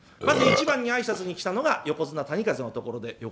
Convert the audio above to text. まず一番に挨拶に来たのが横綱谷風のところで。